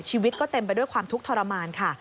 ชีวิตก็เต็มไปด้วยความทุกข์ทรมานค่ะ